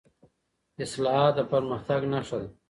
اصلاحات د پرمختګ نښه ده